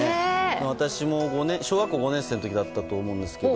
私も小学校５年生の時だったと思うんですけど